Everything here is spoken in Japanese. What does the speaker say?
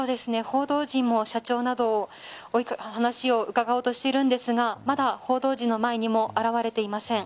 報道陣も社長など話を伺おうとしているんですがまだ報道陣の前にも現れていません。